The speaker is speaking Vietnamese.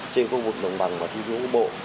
trên khu vực đồng bằng và thi vụ bộ